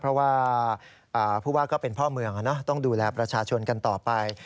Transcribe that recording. เพราะว่าผู้ว่าก็เป็นพ่อเมืองต้องดูแลประชาชนกันต่อไป